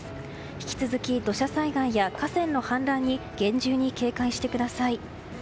引き続き、土砂災害や河川の氾濫に厳重に警戒してください。